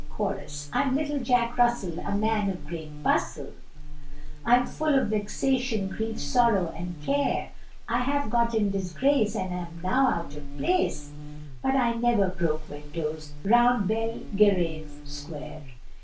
Chorus. I'm little Jack Russell, a man of great bustle, I'm full of vexation, grief, sorrow, and care, I have got in disgrace, and am now out of place; But I never broke windows round Bel ge rave Square.